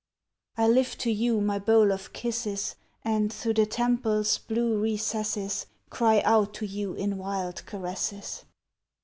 I lift to you My bowl of kisses, And through the temple's Blue recesses Cry out to you In wild caresses.